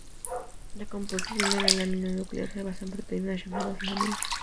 La composición de la lámina nuclear se basa en proteínas llamadas laminas.